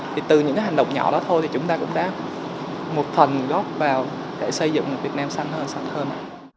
thì từ những hành động nhỏ đó thôi thì chúng ta cũng đã một phần góp vào để xây dựng một việt nam xanh hơn sạch hơn